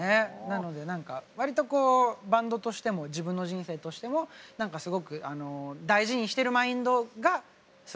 なので何かわりとこうバンドとしても自分の人生としてもすごく大事にしてるマインドがすごく詰まってる感じですね。